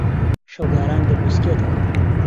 شەوگاران دەبریسکێتەوە.